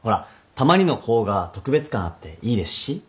たまにの方が特別感あっていいですし。